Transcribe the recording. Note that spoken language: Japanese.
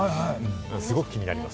すごく気になります。